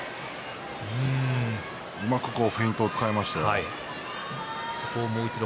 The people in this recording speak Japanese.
うまくフェイントを使いましたね。